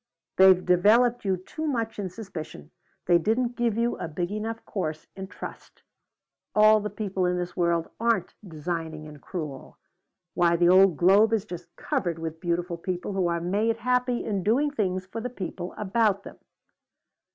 They've developed you too much in suspicion. They didn't give you a big enough course in trust. All the people in this world aren't designing and cruel. Why the old globe is just covered with beautiful people who are made happy in doing things for the people about them."